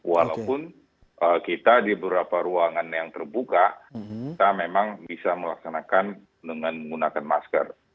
walaupun kita di beberapa ruangan yang terbuka kita memang bisa melaksanakan dengan menggunakan masker